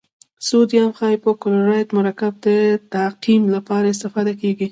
سوډیم هایپوکلورایت مرکب د تعقیم لپاره استفاده کیږي.